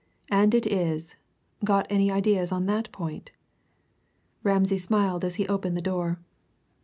"And it is! Got any ideas on that point?" Ramsay smiled as he opened the door.